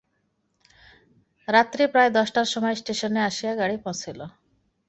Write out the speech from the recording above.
রাত্রি প্রায় দশটার সময় স্টেশনে আসিয়া গাড়ি পৌঁছিল।